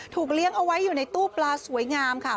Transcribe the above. เลี้ยงเอาไว้อยู่ในตู้ปลาสวยงามค่ะ